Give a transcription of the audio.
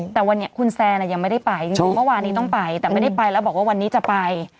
แต่วันนี้คุณแซนยังไม่ได้ไปจริงเมื่อวานนี้ต้องไปแต่ไม่ได้ไปแล้วบอกว่าวันนี้จะไป